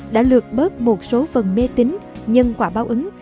đã lược bớt một số phần mê tính nhân quả báo ứng